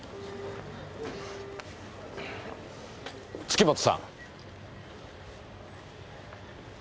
月本さん！